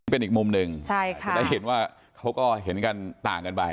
เป็นอีกมุมหนึ่งจะได้เห็นว่าเขาก็เห็นกันต่างกันไป